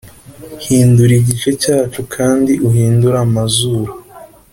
hindura igice cyacu kandi uhindure amazuru,